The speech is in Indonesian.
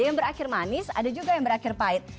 yang berakhir manis ada juga yang berakhir pahit